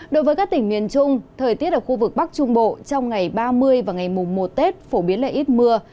đối với các tỉnh miền trung thời tiết ở khu vực bắc trung bộ trong ngày ba mươi và ngày mùng một tết phổ biến là ít mưa